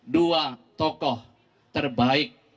dua tokoh terbaik